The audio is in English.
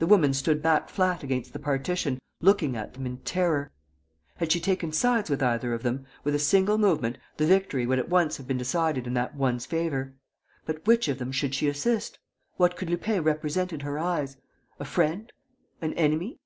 The woman stood back flat against the partition, looking at them in terror. Had she taken sides with either of them, with a single movement, the victory would at once have been decided in that one's favour. But which of them should she assist? What could Lupin represent in her eyes? A friend? An enemy?